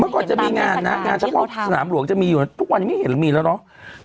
ก่อนจะมีงานนะงานเฉพาะสนามหลวงจะมีอยู่ทุกวันนี้ไม่เห็นมีแล้วเนาะ